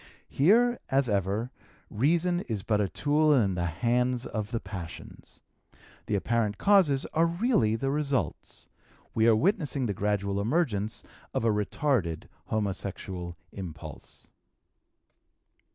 Here, as ever, reason is but a tool in the hands of the passions. The apparent causes are really the results; we are witnessing the gradual emergence of a retarded homosexual impulse.